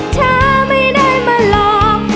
เธอไม่ได้มาหลอก